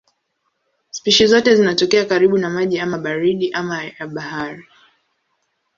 Spishi zote zinatokea karibu na maji ama baridi ama ya bahari.